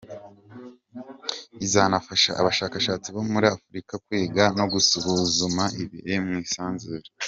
Izanafasha abashakashatsi bo muri Afurika kwiga no gusuzuma ibiri mu isanzure.